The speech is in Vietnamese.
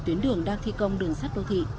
tuyến đường đang thi công đường sát đô thị